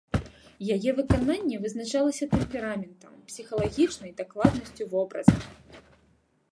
Яе выкананне вызначалася тэмпераментам, псіхалагічнай дакладнасцю вобраза.